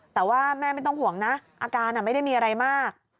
แต่ว่าแม่ไม่ต้องห่วงนะอาการไม่ได้มีอะไรมาก